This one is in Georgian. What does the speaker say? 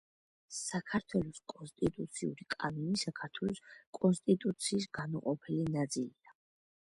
საქართველოს კონსტიტუციური კანონი საქართველოს კონსტიტუციის განუყოფელი ნაწილია.